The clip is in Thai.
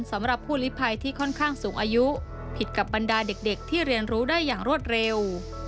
สำหรับผู้ลิภัยที่ค่อนข้างสูงอายุผิดกับบรรดาเด็กที่เรียนรู้ได้อย่างรวดเร็ว